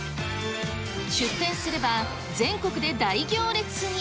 出店すれば全国で大行列に。